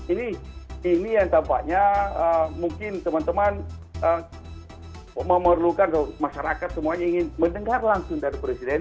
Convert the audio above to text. ini yang tampaknya mungkin teman teman memerlukan masyarakat semuanya ingin mendengar langsung dari presiden